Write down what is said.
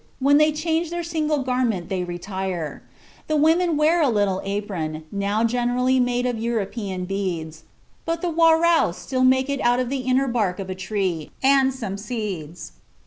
When they change their single garment they retire. The women wear a little apron, now generally made of European beads, but the Warraus still make it of the inner bark of a tree, and some of seeds.